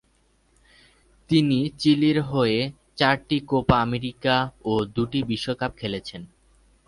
তিনি চিলির হয়ে চারটি কোপা আমেরিকা ও দুটি বিশ্বকাপ খেলেছেন।